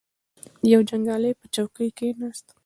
یو جنګیالی په چوکۍ کښیناست.